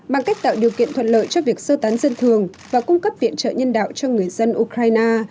bằng cách tạo điều kiện thuận lợi cho việc sơ tán dân thường và cung cấp viện trợ nhân đạo cho người dân ukraine